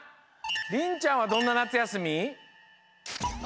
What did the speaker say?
りんちゃんはどんななつやすみ？